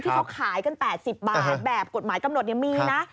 ที่เขาขายกัน๘๐บาทแบบกฎหมายกำหนดมีนะ